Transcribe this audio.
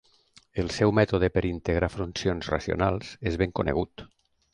El seu mètode per integrar funcions racionals és ben conegut.